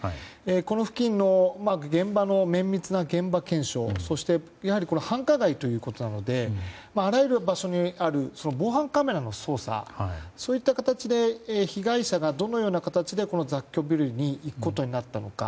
この付近の現場の綿密な現場検証や繁華街ということなのであらゆる場所にある防犯カメラの捜査そういった形で被害者がどのような形でこの雑居ビルに行くことになったのか。